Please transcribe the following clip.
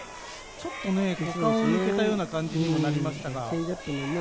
ちょっと股間を抜けたような感じになりましたが。